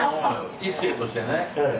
一世としてね。